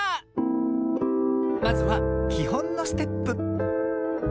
まずはきほんのステップ。